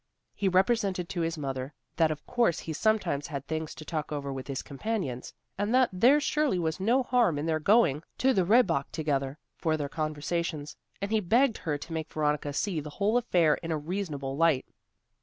He represented to his mother, that of course he sometimes had things to talk over with his companions, and that there surely was no harm in their going to the Rehbock together for their conversations, and he begged her to make Veronica see the whole affair in a reasonable light.